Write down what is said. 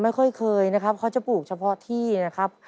ไม่ค่อยเคยนะครับเขาจะปลูกเฉพาะที่นะครับ